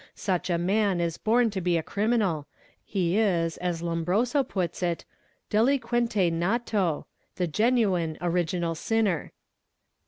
Such a man is hb orn to be a criminal, he is as Lombroso puts it, delinquente nato, the ge nuine original sinner.